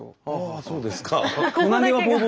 ああそうですか。